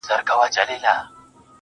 خیر دی قبر ته دي هم په یوه حال نه راځي.